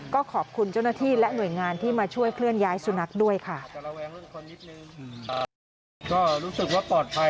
ก็ขอบคุณเจ้าหน้าที่และหน่วยงานที่มาช่วยเคลื่อนย้ายสุนัขด้วยค่ะ